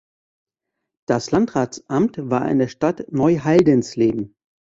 Das Landratsamt war in der Stadt Neuhaldensleben.